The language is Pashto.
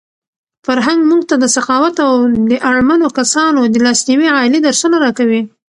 فرهنګ موږ ته د سخاوت او د اړمنو کسانو د لاسنیوي عالي درسونه راکوي.